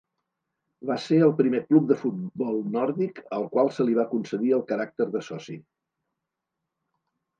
Va ser el primer club de futbol nòrdic al qual se li va concedir el caràcter de soci.